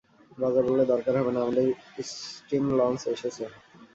রাজা বললে, দরকার হবে না, আমাদের স্টীমলঞ্চ এসেছে।